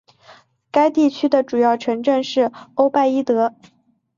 该地区的主要城镇是欧拜伊德。